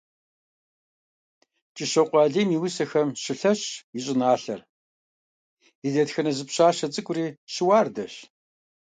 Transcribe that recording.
КӀыщокъуэ Алим и усэхэм щылъэщщ и щӀыналъэр, и дэтхэнэ зы пщӀащэ цӀыкӀури щыуардэщ.